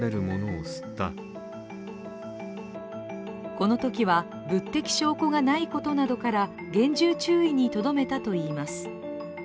このときは、物的証拠がないことなどから厳重注意にとどめたといいます。